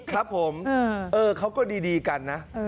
ครับผมเขาก็ดีกันนะ